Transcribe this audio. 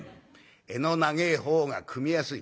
「柄の長えほうが汲みやすい」。